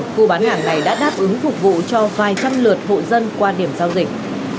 khu bán hàng này đã đáp ứng phục vụ cho vài trăm lượt hộ dân qua điểm giao dịch